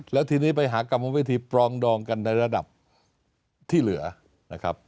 แล้วทีนี้ไปหากรรมวิธีปรองดองกันในระดับที่เหลือนะครับ